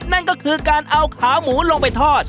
นั่นก็คือการเอาขาหมูลงไปทอด